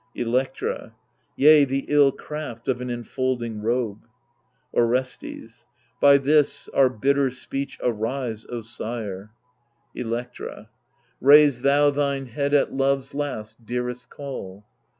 Electra Yea, the ill craft of an enfolding robe. Orestes By this our bitter speech arise, O sire ! THE LIBATION BEARERS 105 Electra Raise thou thine head at love's last, dearest call